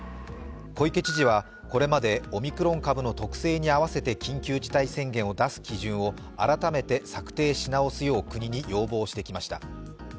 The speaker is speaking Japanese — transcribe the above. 小池知事はこれまでオミクロン株の特性に合わせて緊急事態宣言を出す基準を改めて策定し直すよう国に要望してきました。